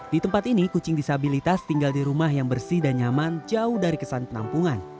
di tempat ini kucing disabilitas tinggal di rumah yang bersih dan nyaman jauh dari kesan penampungan